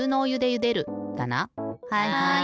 はい！